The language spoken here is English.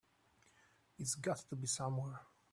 It's got to be somewhere.